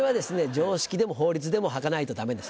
常識でも法律でもはかないとダメですね。